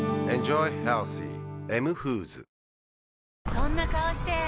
そんな顔して！